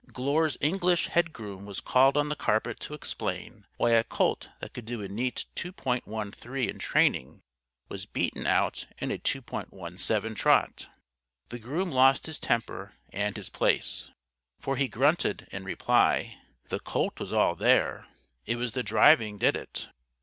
(Glure's English head groom was called on the carpet to explain why a colt that could do a neat 2.13 in training was beaten out in a 2.17 trot. The groom lost his temper and his place. For he grunted, in reply, "The colt was all there. It was the driving did it.")